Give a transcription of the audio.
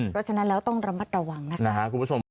เพราะฉะนั้นแล้วต้องระมัดระวังนะคะคุณผู้ชม